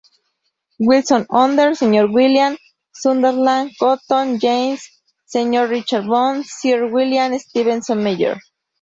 Wilson Hunter, Sir William; Sutherland Cotton, James; Sir Richard Burn, Sir William Stevenson Meyer.